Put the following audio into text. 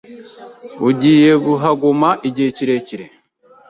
Ugiye kuhaguma igihe kirekire?